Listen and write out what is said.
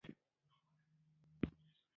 • د برېښنا بیه په ځینو هېوادونو کې لوړه ده.